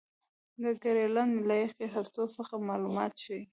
د ګرینلنډ له یخي هستو څخه معلومات ښيي.